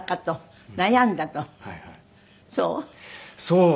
そう？